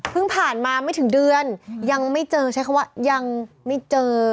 ผ่านมาไม่ถึงเดือนยังไม่เจอใช้คำว่ายังไม่เจอ